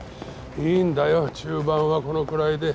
いいんだよ中盤はこのくらいで。